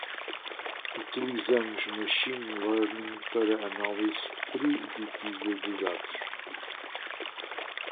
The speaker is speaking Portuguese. Utilizamos Machine Learning para análise preditiva de dados.